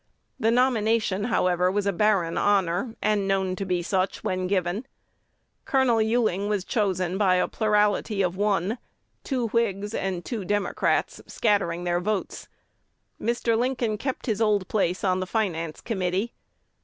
The nomination, however, was a barren honor, and known to be such when given. Col. Ewing was chosen by a plurality of one, two Whigs and two Democrats scattering their votes. Mr. Lincoln kept his old place on the Finance Committee.